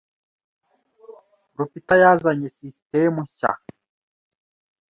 Rupita yazanye sisitemu nshya.